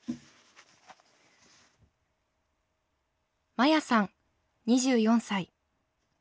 まやさん２４歳。